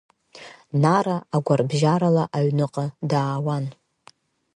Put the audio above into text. Нара агәарбжьарала аҩныҟа даауан.